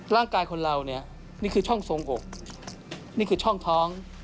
ร่างกายคนเราเนี่ยนี่คือช่องทรงอกนี่คือช่องท้อง